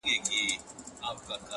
ولي مي هره شېبه ـ هر ساعت په غم نیسې ـ